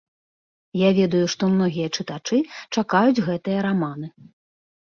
Я ведаю, што многія чытачы чакаюць гэтыя раманы.